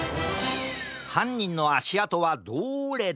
はんにんのあしあとはどれだ？